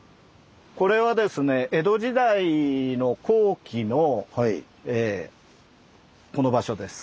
これはですね江戸時代の後期のこの場所です。